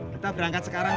kita berangkat sekarang